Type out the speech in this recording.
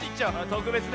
とくべつね。